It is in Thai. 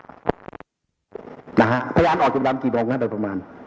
พยานออกจากบุรีลำกี่โมงครับประมาณ